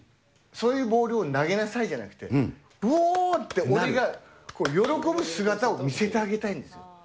そういうボールを投げなさいじゃなくて、うぉーって、俺が喜ぶ姿を見せてあげたいんですよ。